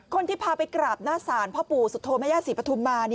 คนที่พาไปกราบหน้าศาลพระปู่สุธโธมยสีปทุมมา